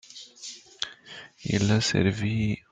Il a servi en cosmétique pour teindre les cheveux.